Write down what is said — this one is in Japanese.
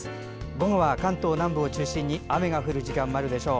午後は関東南部を中心に雨が降る時間もあるでしょう。